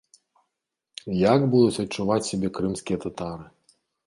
Як будуць адчуваць сябе крымскія татары?